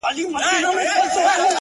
o اوس په لمانځه کي دعا نه کوم ښېرا کومه؛